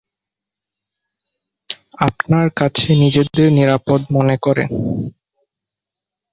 আপনার কাছে নিজেদের নিরাপদ মনে করে।